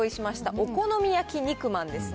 お好み焼き肉まんですね。